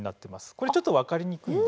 これちょっと分かりにくいんで。